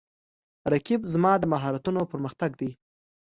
رقیب زما د مهارتونو پر مختګ دی